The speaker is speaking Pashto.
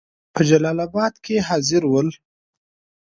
په جلال آباد کې حاضر ول.